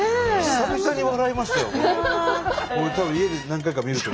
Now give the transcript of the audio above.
久々に笑いましたよ。